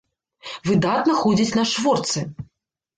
Выдатна ходзіць на шворцы.